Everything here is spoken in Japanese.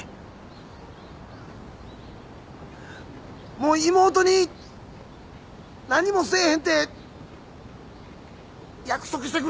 もう妹に何もせえへんて約束してくれ。